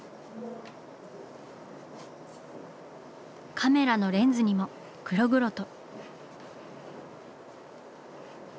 カメラのレンズにも黒々と。